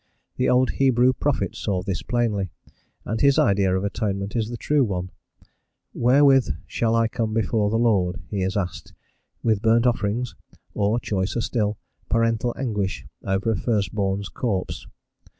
The old Hebrew prophet saw this plainly, and his idea of atonement is the true one: "wherewith shall I come before the Lord," he is asked, with burnt offerings or choicer still parental anguish over a first born's corpse?